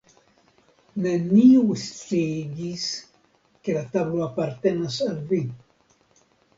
Neniu sciigis ke la tablo apartenas al vi.